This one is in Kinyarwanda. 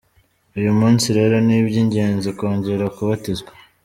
Uyu munsi rero ni iby’ingenzi kongera kubatizwa.